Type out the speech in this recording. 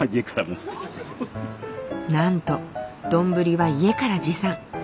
なんとどんぶりは家から持参。